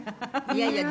いやいや。